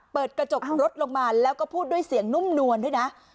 เปิดกระจกรถลงมาแล้วก็พูดด้วยเสียงนุ่มนวลด้วยนะ